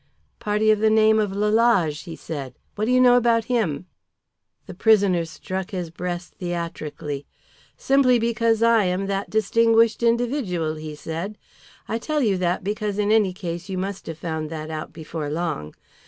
"Party of the name of Lalage?" he said. "What do you know about him?" The prisoner struck his breast theatrically. "Simply because I am that distinguished individual," he said. "I tell you that because in any case you must have found that out before long.